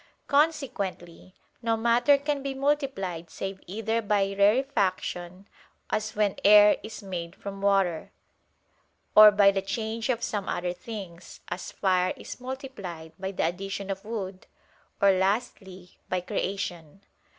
Consequently no matter can be multiplied save either by rarefaction as when air is made from water; or by the change of some other things, as fire is multiplied by the addition of wood; or lastly by creation.